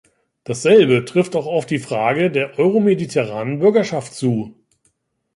Dasselbe trifft auf die Frage der euromediterranen Bürgerschaft zu.